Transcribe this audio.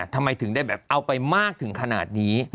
ทำไมถึงได้แบบเอาไปมากถึงขนาดนี้